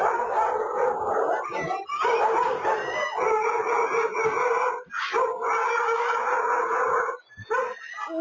จับได้